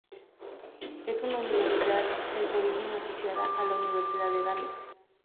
Es una Universidad en su origen asociada a la Universidad de Gales.